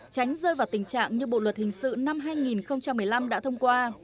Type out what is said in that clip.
tránh rơi vào tình trạng như bộ luật hình sự năm hai nghìn một mươi năm đã thông qua